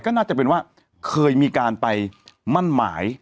ก็น่าจะเป็นว่าเคยมีการไปมั่นหมาย